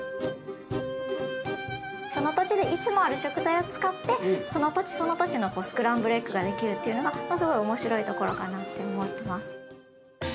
その土地でいつもある食材を使ってその土地その土地のスクランブルエッグができるっていうのがまあすごい面白いところかなって思ってます。